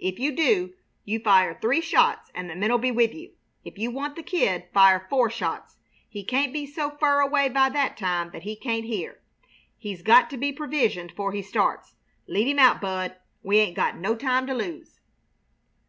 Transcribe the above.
If you do, you fire three shots, and the men 'll be with you. If you want the Kid, fire four shots. He can't be so fur away by that time that he can't hear. He's got to get provisioned 'fore he starts. Lead him out, Bud. We 'ain't got no time to lose."